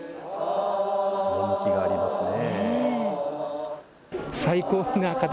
趣がありますね。